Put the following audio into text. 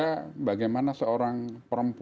nah itu kita lihat sebagai salah satu contohnya di semeru